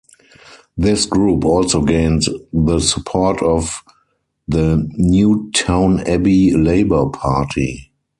This group also gained the support of the Newtownabbey Labour Party.